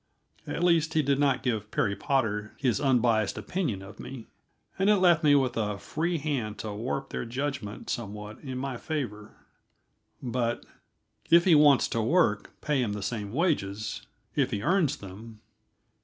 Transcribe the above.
At least, he did not give Perry Potter his unbiased opinion of me, and it left me with a free hand to warp their judgment somewhat in my favor. But "If he wants to work, pay him the same wages if he earns them."